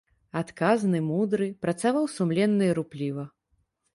Адказны, мудры, працаваў сумленна і рупліва.